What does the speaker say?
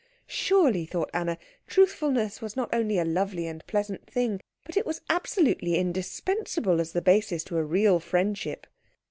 Surely, thought Anna, truthfulness was not only a lovely and a pleasant thing but it was absolutely indispensable as the basis to a real friendship.